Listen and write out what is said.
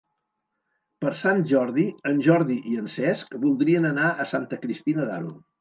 Per Sant Jordi en Jordi i en Cesc voldrien anar a Santa Cristina d'Aro.